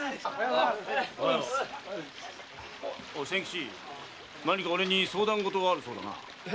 千吉何か俺に相談事があるそうだな。